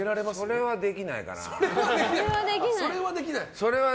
それはできないかな。